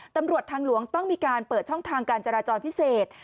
ตำรวจทางหลวงต้องมีการเปิดช่องทางการจราจรพิเศษ